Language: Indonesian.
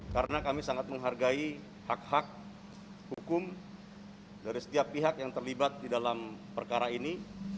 karena kami sangat menghargai hak hak hukum dari setiap pihak yang terlibat di dalam perkara ini